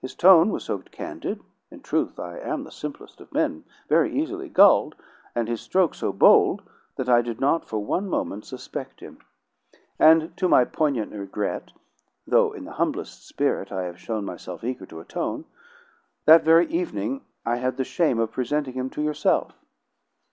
His tone was so candid in truth, I am the simplest of men, very easily gulled and his stroke so bold, that I did not for one moment suspect him; and, to my poignant regret though in the humblest spirit I have shown myself eager to atone that very evening I had the shame of presenting him to yourself."